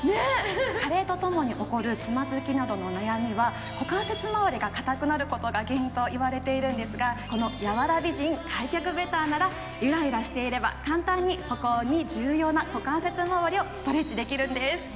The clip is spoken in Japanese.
加齢とともに起こるつまずきなどの悩みは股関節周りが硬くなることが原因と言われているんですが、この柔ら美人開脚ベターなら、ゆらゆらしていれば簡単に歩行に重要な股関節周りをストレッチできるんです。